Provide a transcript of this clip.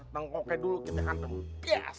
tengkoknya dulu kita hantam bias